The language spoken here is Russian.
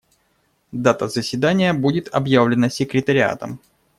Дата заседания будет объявлена секретариатом.